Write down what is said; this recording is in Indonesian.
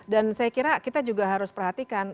dan saya kira kita juga harus perhatikan